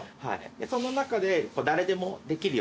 その中で誰でもできるように。